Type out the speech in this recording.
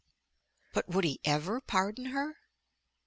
But would he ever pardon her?